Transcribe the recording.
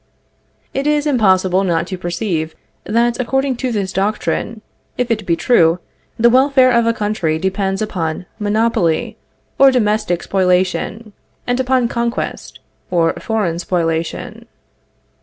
It is impossible not to perceive that according to this doctrine, if it be true, the welfare of a country depends upon monopoly or domestic spoliation, and upon conquest or foreign spoliation.